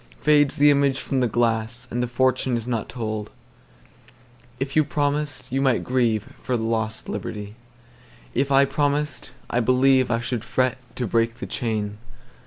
Fades the image from the glass, And the fortune is not told. If you promised, you might grieveFor lost liberty again:If I promised, I believeI should fret to break the chain.